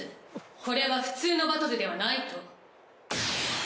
これは普通のバトルではないと。